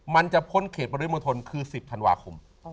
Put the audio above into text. มันจะพ้นเขตปริมณฑลคือ๑๐ธันวาคม